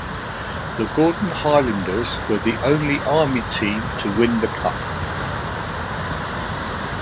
The Gordon Highlanders were the only Army team to win the Cup.